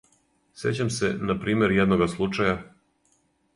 Сећам се, на пример, једнога случаја